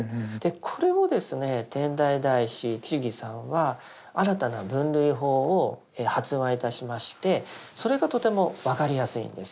これをですね天台大師智さんは新たな分類法を発案いたしましてそれがとても分かりやすいんです。